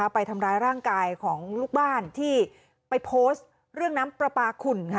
ไปทำร้ายร่างกายของลูกบ้านที่ไปโพสต์เรื่องน้ำปลาปลาขุ่น